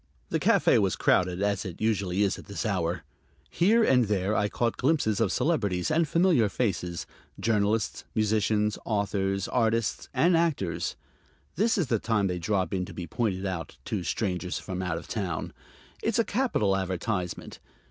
The café was crowded, as it usually is at this hour. Here and there I caught glimpses of celebrities and familiar faces: journalists, musicians, authors, artists and actors. This is the time they drop in to be pointed out to strangers from out of town. It's a capital advertisement.